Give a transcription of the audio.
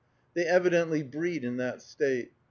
They evidently breed in that State.